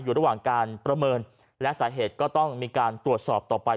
อยู่ระหว่างการประเมินและสาเหตุก็ต้องมีการตรวจสอบต่อไป